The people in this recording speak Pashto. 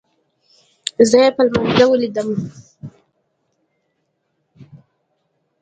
زه يې په لمانځه وليدم.